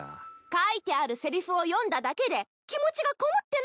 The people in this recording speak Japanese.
書いてあるセリフを読んだだけで気持ちがこもってないっちゃ。